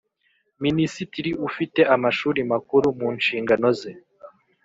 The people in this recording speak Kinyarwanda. minisitiri ufite Amashuri Makuru mu nshingano ze